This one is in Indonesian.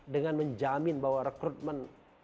dengan menjamin bahwa rekrutmen